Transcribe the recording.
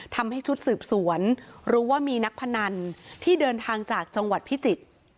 ทำให้ชุดสืบสวนรู้ว่ามีนักพนันที่เดินทางจากจังหวัดพิจิตร